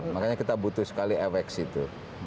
makanya kita butuh sekali efek itu